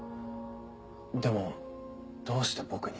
でもどうして僕に？